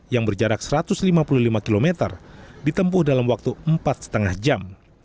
yang berjarak satu ratus lima puluh lima km ditempuh dalam waktu empat lima jam